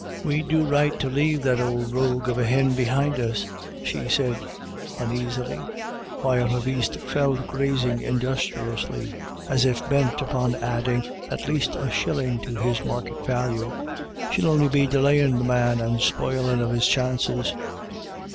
" Vfe'd do right to lave that ould rogue of a hin behind us," she said uneasily, while her beast fell to grazing industriously, as if bent upon adding at least a shilling to his market value, " she'll only be delayin' the man and spoilin' of his chances."